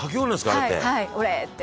あれって」